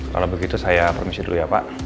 kalau begitu saya permisi dulu ya pak